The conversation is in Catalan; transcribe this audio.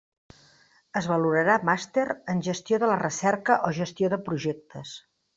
Es valorarà Màster en gestió de la recerca o gestió de projectes.